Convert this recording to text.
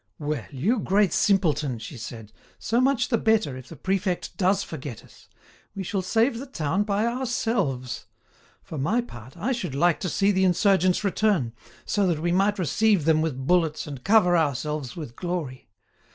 "Well, you great simpleton," she said, "so much the better, if the prefect does forget us! We shall save the town by ourselves. For my part, I should like to see the insurgents return, so that we might receive them with bullets and cover ourselves with glory.